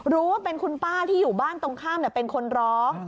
รู้ว่าเป็นคุณป้าที่อยู่บ้านตรงข้ามเป็นคนร้อง